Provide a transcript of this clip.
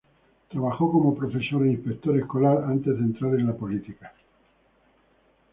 Trabajó como profesor e inspector escolar antes de entrar en la política.